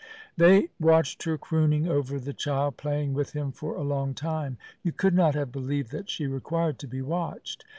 They watched her crooning over the child, playing with him for a long time. You could not have believed that she required to be watched.